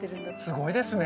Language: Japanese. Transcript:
すごいですね